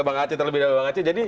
bang haci terlebih dahulu